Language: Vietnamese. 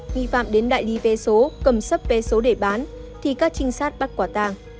nghi phạm đến đại lý vé số cầm sắp vé số để bán thì các trinh sát bắt quả tàng